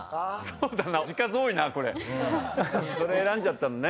それ選んじゃったのね。